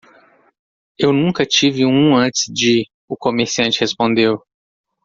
"Eu nunca tive um antes de?" o comerciante respondeu.